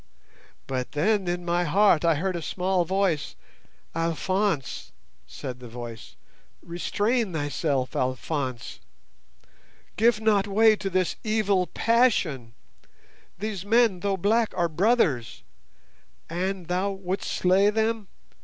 But then in my heart I heard a small voice: 'Alphonse,' said the voice, 'restrain thyself, Alphonse! Give not way to this evil passion! These men, though black, are brothers! And thou wouldst slay them?